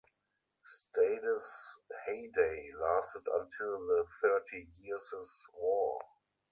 Stade's heyday lasted until the Thirty Years' War.